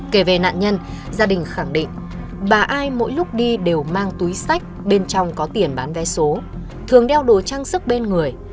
kể về nạn nhân gia đình khẳng định bà ai mỗi lúc đi đều mang túi sách bên trong có tiền bán vé số thường đeo đồ trang sức bên người